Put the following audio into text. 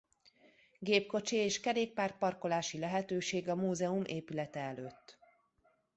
Gépkocsi és kerékpár parkolási lehetőség a múzeum épülete előtt.